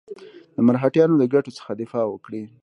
د مرهټیانو د ګټو څخه دفاع وکړي.